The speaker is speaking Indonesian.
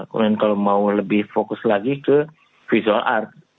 kemudian kalau mau lebih fokus lagi ke visual art